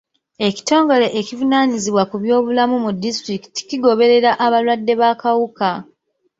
Ekitongole ekivunaanyizibwa ku by'obulamu mu disitulikiti kigoberera abalwadde b'akawuka.